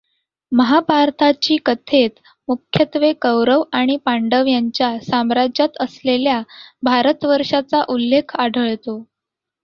महाभारताची कथेत मुख्यत्वे कौरव आणि पांडव यांच्या साम्राज्यात असलेल्या भारतवर्षाचा उल्लेख आढळतो.